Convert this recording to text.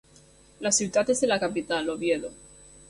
La ciutat és de la capital, Oviedo.